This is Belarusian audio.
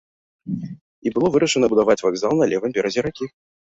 І было вырашана будаваць вакзал на левым беразе ракі.